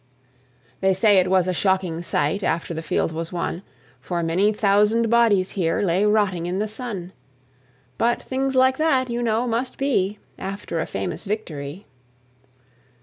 "They say it was a shocking sight After the field was won; For many thousand bodies here Lay rotting in the sun. But things like that, you know, must be After a famous victory.